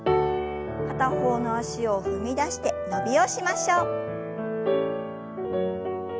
片方の脚を踏み出して伸びをしましょう。